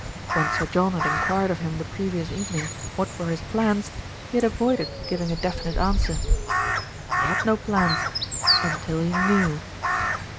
When Sir John had enquired of him the previous evening what were his plans, he had avoided giving a definite answer. He had no plans until he knew.